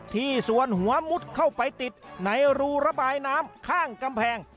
ที่ส่วนหัวมุดเข้าไปติดในรูระบายน้ำข้างกำแพง